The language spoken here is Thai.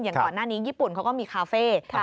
ก่อนหน้านี้ญี่ปุ่นเขาก็มีคาเฟ่